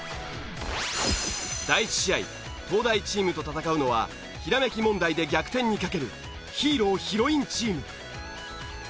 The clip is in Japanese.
第１試合東大チームと戦うのはひらめき問題で逆転にかけるヒーローヒロインチーム。